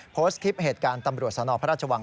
โพสต์คลิปเหตุการณ์ตำรวจสนพระราชวัง